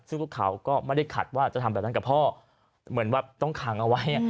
ซึ่งพวกเขาก็ไม่ได้ขัดว่าจะทำแบบนั้นกับพ่อเหมือนแบบต้องขังเอาไว้